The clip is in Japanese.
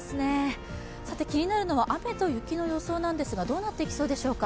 気になるのは雨と風の予想なんですが、どうでしょうか。